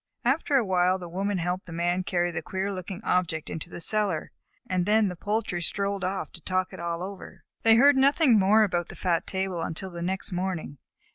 After a while the Woman helped the Man carry the queer looking object into the cellar, and then the poultry strolled off to talk it all over. They heard nothing more about the fat table until the next morning.